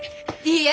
いいえ